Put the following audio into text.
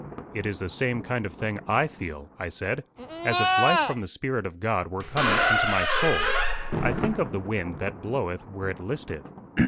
"It is the same kind of thing I feel," I said "as if life from the Spirit of God were coming into my soul: I think of the wind that bloweth where it listeth.